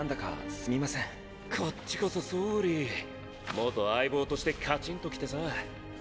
元相棒としてカチンときてさ。